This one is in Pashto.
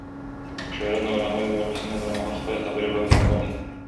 شاعران او علما به د مجلسونو پر مهال خپلې خبرې وړاندې کولې.